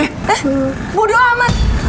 eh mudah amat